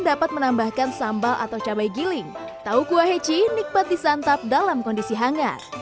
dapat menambahkan sambal atau cabai giling tahu kuah heci nikmat disantap dalam kondisi hangat